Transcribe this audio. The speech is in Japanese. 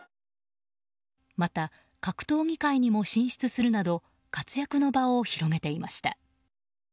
また、格闘技界にも進出するなど活躍の場を広げていました。